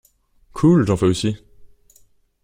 Cool, j'en fait aussi.